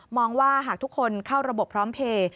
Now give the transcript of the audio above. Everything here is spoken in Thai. ว่าหากทุกคนเข้าระบบพร้อมเพลย์